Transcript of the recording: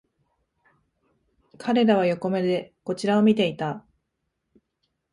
彼らは横目でこちらを見ていた